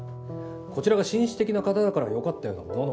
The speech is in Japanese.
こちらが紳士的な方だからよかったようなものの。